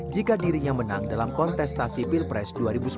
jika dirinya menang dalam kontestasi pilpres dua ribu sembilan belas